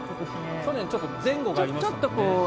去年はちょっと前後がありました。